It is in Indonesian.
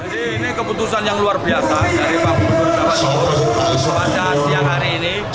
jadi ini keputusan yang luar biasa dari pak gubernur jawa timur kepada siang hari ini